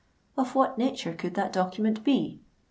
Of what nature could that document be?